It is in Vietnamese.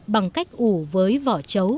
bằng cách ủ với vỏ chấu